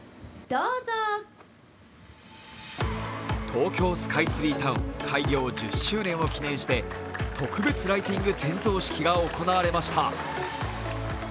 東京スカイツリータウン開業１０周年を記念して、特別ライティング点灯式が行われました。